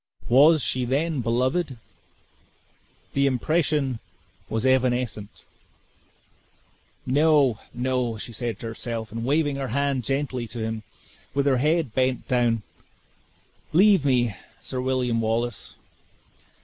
Was she then beloved? The impression was evanescent: "No, no!" said she to herself; and waving her hand gently to him with her head bent down; "Leave me, Sir William Wallace.